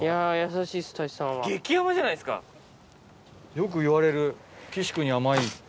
よく言われる岸君に甘いって。